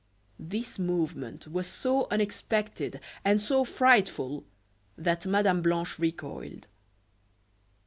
This movement was so unexpected and so frightful that Mme. Blanche recoiled.